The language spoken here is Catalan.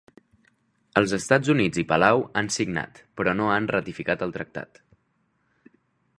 Els Estats Units i Palau han signat, però no han ratificat el tractat.